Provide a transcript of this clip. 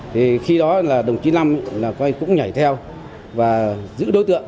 thì khi đó là đồng chí năm cũng nhảy theo và giữ đối tượng